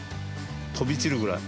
飛び散るぐらい。